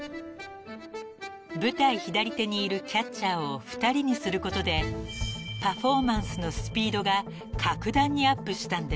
［舞台左手にいるキャッチャーを２人にすることでパフォーマンスのスピードが格段にアップしたんです］